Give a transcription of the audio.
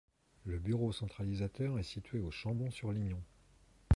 Le bureau centralisateur est situé au Chambon-sur-Lignon.